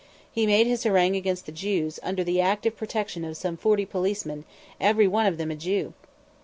He made his harangue against the Jews under the active protection of some forty policemen, every one of them a Jew!